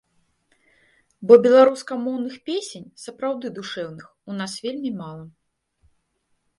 Бо беларускамоўных песень, сапраўды душэўных, у нас вельмі мала.